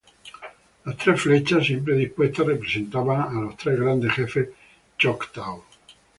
Las tres flechas, siempre dispuestas, representaban a los tres grandes jefes choctaw.